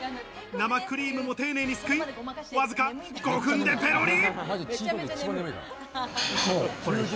生クリームも丁寧にすくい、わずか５分でペロリ。